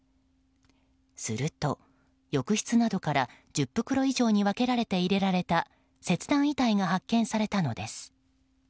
すると、浴室などから１０袋以上に分けられて入れられた切断遺体が発見されたのです。